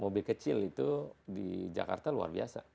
mobil kecil itu di jakarta luar biasa